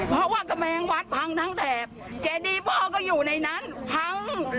เพราะว่ากำแพงวัดพังทั้งแถบเจดีพ่อก็อยู่ในนั้นพัง